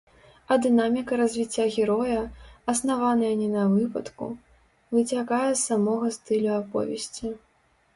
А дынаміка развіцця героя, аснаваная не на выпадку, выцякае з самога стылю аповесці.